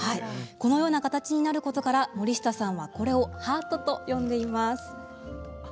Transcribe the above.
このような形になることから森下さんはこれをハートと呼んでいます。